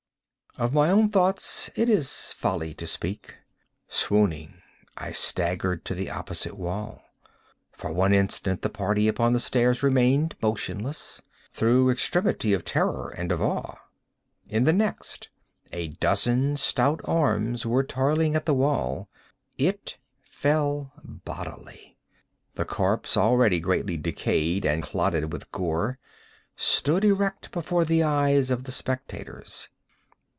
Of my own thoughts it is folly to speak. Swooning, I staggered to the opposite wall. For one instant the party upon the stairs remained motionless, through extremity of terror and of awe. In the next, a dozen stout arms were toiling at the wall. It fell bodily. The corpse, already greatly decayed and clotted with gore, stood erect before the eyes of the spectators.